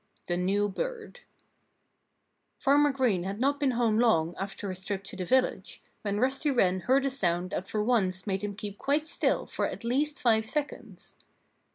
V THE NEW BIRD Farmer Green had not been home long, after his trip to the village, when Rusty Wren heard a sound that for once made him keep quite still for at least five seconds.